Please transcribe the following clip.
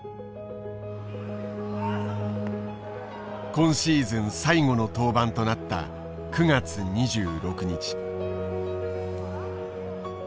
今シーズン最後の登板となった９月２６日。